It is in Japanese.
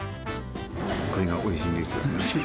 これがおいしいんですよ。